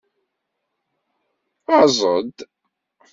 Aẓ-d!